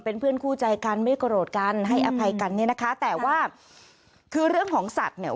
เป็นเพื่อนคู่ใจกันไม่โกรธกันให้อภัยกันเนี่ยนะคะแต่ว่าคือเรื่องของสัตว์เนี่ย